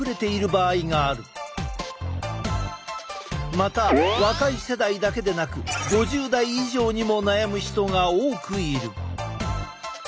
また若い世代だけでなく５０代以上にも悩む人が多くいる。